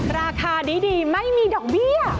ราคาดีไม่มีดอกเบี้ย